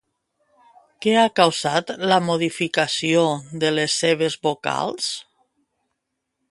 Què ha causat la modificació de les seves vocals?